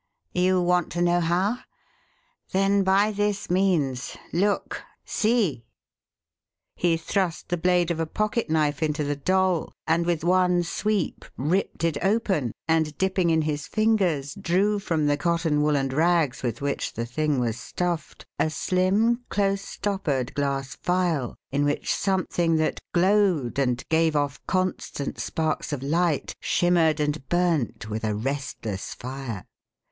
You want to know how? Then by this means look! See!" He thrust the blade of a pocket knife into the doll and with one sweep ripped it open, and dipping in his fingers drew from cotton wool and rags with which the thing was stuffed a slim, close stoppered glass vial in which something that glowed and gave off constant sparks of light shimmered and burnt with a restless fire.